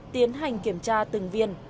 tiến hành kiểm tra từng viên